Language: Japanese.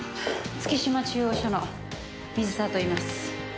月島中央署の水沢といいます。